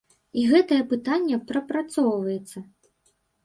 І гэтае пытанне прапрацоўваецца.